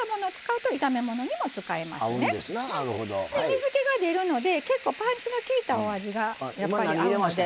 水けが出るので結構パンチのきいたお味がやっぱり合うので。